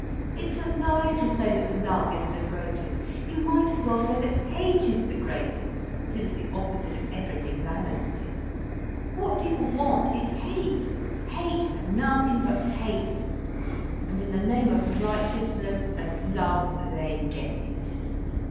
It's a lie to say that love is the greatest. You might as well say that hate is the greatest, since the opposite of everything balances. What people want is hate—hate and nothing but hate. And in the name of righteousness and love, they get it.